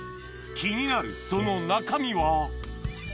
気になるその中身は？